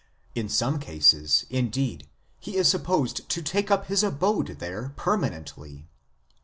In some cases, indeed, he is supposed to take up his abode there permanently.